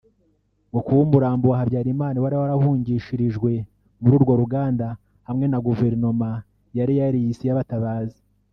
ngo kuba umurambo wa Habyarimana wari wahungishirijwe muri urwo ruganda hamwe na guverinoma yari yariyise iyabatabazi